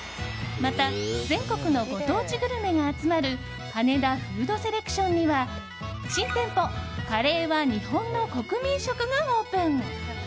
また、全国のご当地グルメが集まるハネダフードセレクションには新店舗、カレーは日本の国民食がオープン。